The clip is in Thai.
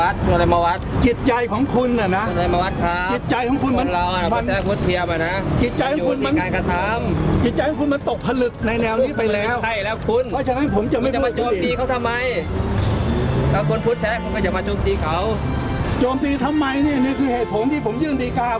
สนับสนุนโดยเอกลักษณ์หน้านานโอลี่คัมรี่ยากที่ใครจะตามพัน